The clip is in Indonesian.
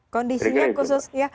kondisinya khusus ya